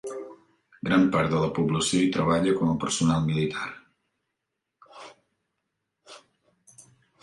Gran part de la població hi treballa com a personal militar.